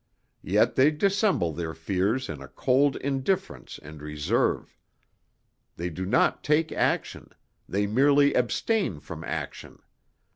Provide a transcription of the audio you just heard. Yet they dissemble their fears in a cold indifference and reserve. They do not take action: they merely abstain from action.